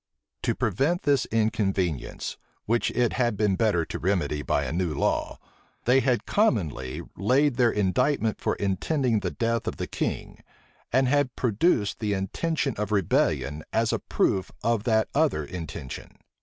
To prevent this inconvenience, which it had been better to remedy by a new law, they had commonly laid their indictment for intending the death of the king and had produced the intention of rebellion as a proof of that other intention.